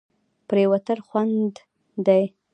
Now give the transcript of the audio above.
پرېوتل خوند دی.